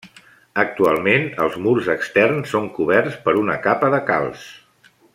Actualment els murs externs són coberts per una capa de calç.